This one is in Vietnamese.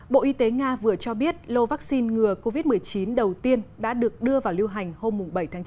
bộ y tế nga vừa cho biết lô vaccine ngừa covid một mươi chín đầu tiên đã được đưa vào lưu hành hôm bảy tháng chín